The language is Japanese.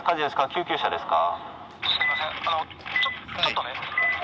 救急車ですか？